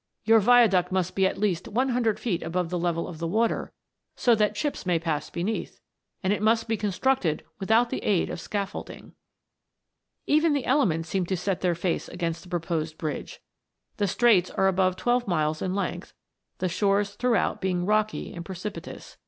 Your viaduct must be at least one hundred feet above the level of the water, so that ships may pass beneath, and it must be constructed without the aid of scaffolding." Even the elements seemed to set their face against the proposed bridge. The Straits are above twelve miles in length, the shores throughout being rocky and precipitous.